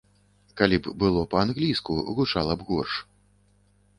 Калі б было па-англійску, гучала б горш.